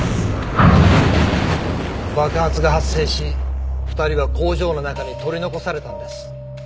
爆発が発生し２人は工場の中に取り残されたんです。